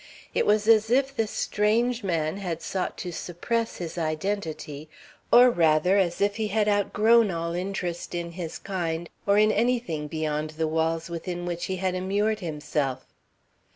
It was as if this strange man had sought to suppress his identity, or, rather, as if he had outgrown all interest in his kind or in anything beyond the walls within which he had immured himself.